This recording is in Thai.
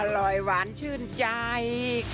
อร่อยหวานชื่นใจ